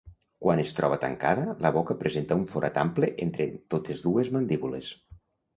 Quan es troba tancada, la boca presenta un forat ample entre totes dues mandíbules.